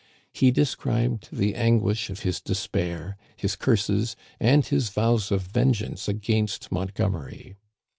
He described the anguish of his despair, his curses, and his vows of vengeance against Montgomery.